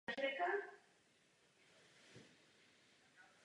Údolí je intenzivně využíváno obyvateli Brna pro příměstskou rekreaci.